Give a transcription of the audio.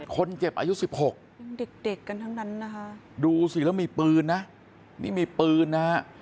คนเจ็บอายุ๑๖ดูสิแล้วมีปืนนะนี่มีปืนนะ